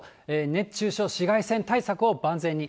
熱中症、紫外線対策を万全に。